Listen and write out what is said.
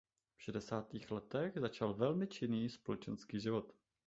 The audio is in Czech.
V šedesátých letech začal velmi činný společenský život.